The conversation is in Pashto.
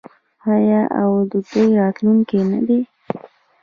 آیا او د دوی راتلونکی نه دی؟